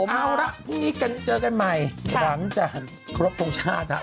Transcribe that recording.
เอาละพรุ่งนี้กันเจอกันใหม่หลังจากครบทรงชาติฮะ